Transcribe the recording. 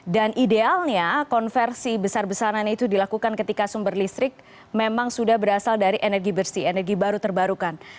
dan idealnya konversi besar besaran itu dilakukan ketika sumber listrik memang sudah berasal dari energi bersih energi baru terbarukan